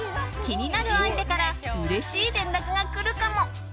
気になる相手からうれしい連絡が来るかも。